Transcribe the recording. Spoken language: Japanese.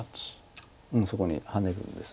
うんそこにハネるんです。